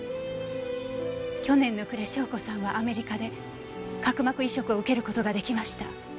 去年の暮れ笙子さんはアメリカで角膜移植を受ける事ができました。